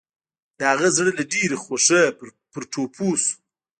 د هغه زړه له ډېرې خوښۍ پر ټوپو شو.